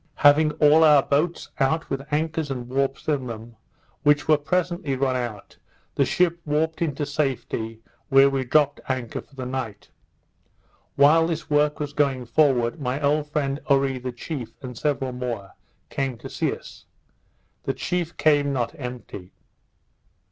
Having all our boats out with anchors and warps in them, which were presently run out, the ship warped into safety, where we dropt anchor for the night. While this work was going forward, my old friend Oree the chief, and several more, came to see us. The chief came not empty.